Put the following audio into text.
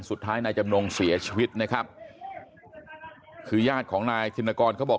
สุดท้ายนายจำนงเสียชีวิตนะครับคือญาติของนายธินกรเขาบอก